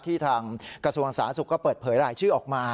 ทางกระทรวงสาธารณสุขก็เปิดเผยรายชื่อออกมา